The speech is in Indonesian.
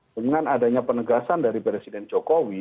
dengan adanya penegasan dari presiden jokowi